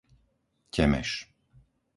Temeš